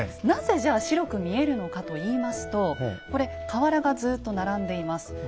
なぜじゃあ白く見えるのかといいますとこれ瓦がずっと並んでいます。